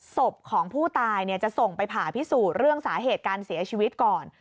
ศพของผู้ตายจะส่งไปผ่าพิสูจน์เรื่องสาเหตุการเสียชีวิตก่อน